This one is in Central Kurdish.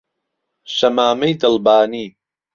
شەمامەی دڵبانی